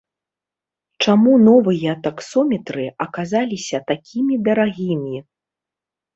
Чаму новыя таксометры аказаліся такімі дарагімі?